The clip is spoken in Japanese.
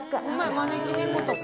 招き猫とか。